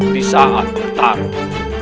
di saat petarung